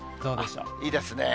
いいですね。